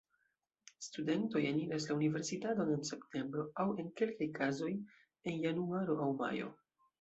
Studentoj eniras la universitaton en septembro, aŭ, en kelkaj kazoj, en januaro aŭ majo.